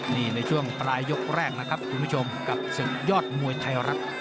นี่ในช่วงปลายยกแรกนะครับคุณผู้ชมกับศึกยอดมวยไทยรัฐ